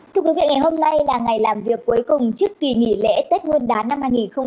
thứ viện ngày hôm nay là ngày làm việc cuối cùng trước kỳ nghỉ lễ tết nguyên đán năm hai nghìn hai mươi ba